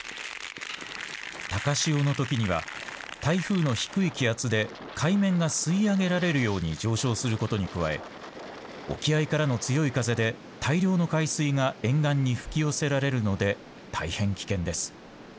高潮のときには台風の低い気圧で海面が吸い上げられるように上昇することに加え沖合からの強い風で大量の海水が沿岸に引き寄せられるので大変危険です。